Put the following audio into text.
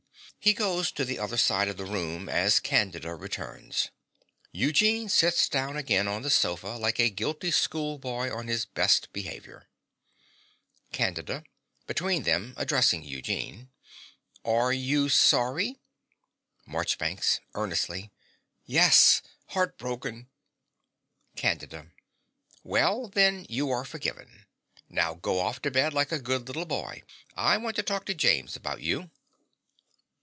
(He goes to the other side of the room as Candida returns. Eugene sits down again on the sofa like a guilty schoolboy on his best behaviour.) CANDIDA (between them, addressing Eugene). Are you sorry? MARCHBANKS (earnestly). Yes, heartbroken. CANDIDA. Well, then, you are forgiven. Now go off to bed like a good little boy: I want to talk to James about you.